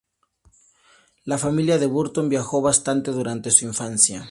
La familia de Burton viajó bastante durante su infancia.